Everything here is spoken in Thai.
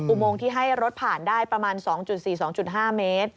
อุโมงที่ให้รถผ่านได้ประมาณ๒๔๒๕เมตร